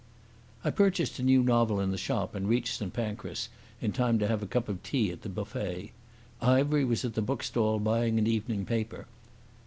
I purchased a new novel in the shop and reached St Pancras in time to have a cup of tea at the buffet. Ivery was at the bookstall buying an evening paper.